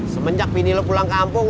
semenjak bini lo pulang kampung